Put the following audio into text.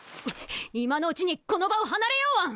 今のうちにこの場を離れようワン！